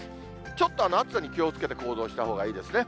ちょっと暑さに気をつけて行動したほうがいいですね。